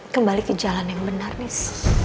kembali ke jalan yang benar nih